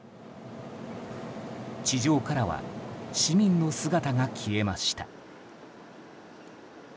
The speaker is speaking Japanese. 地上からは市民の姿が消えました。